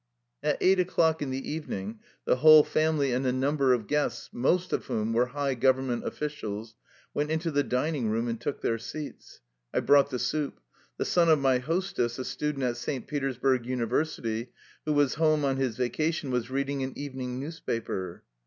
At eight o'clock in the evening the whole family and a number of guests, most of whom were high government offlcials, went into the dining room and took their seats. I brought the soup. The son of my hostess, a student at St. Petersburg University, who was home on his va cation, was reading an evening newspaper.